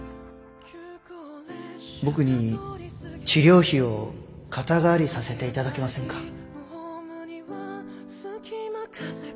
僕に治療費を肩代わりさせていただけませんか？